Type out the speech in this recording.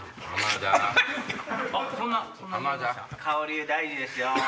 香り大事ですよ。